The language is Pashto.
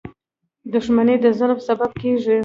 • دښمني د ظلم سبب کېږي.